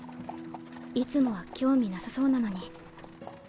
いつもは興味なさそうなのに。